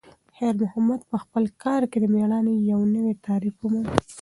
خیر محمد په خپل کار کې د میړانې یو نوی تعریف وموند.